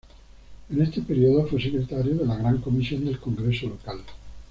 En este período fue Secretario de la Gran Comisión del Congreso Local.